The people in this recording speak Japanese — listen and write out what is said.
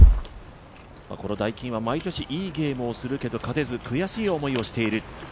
このダイキンは毎年いいゲームをするけれども、勝てず悔しい思いをしている。